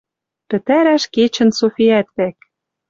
Пӹтӓрӓш кечӹн Софиӓт вӓк